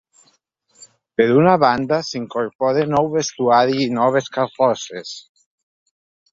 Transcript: Per una banda s’incorpora nou vestuari i noves carrosses.